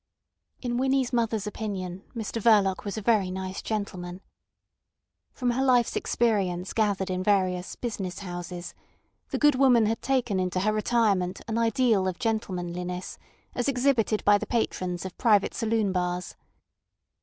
In Winnie's mother's opinion Mr Verloc was a very nice gentleman. From her life's experience gathered in various "business houses" the good woman had taken into her retirement an ideal of gentlemanliness as exhibited by the patrons of private saloon bars.